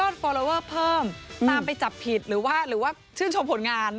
ตามไปจับผิดหรือว่าชื่นชมผลงาน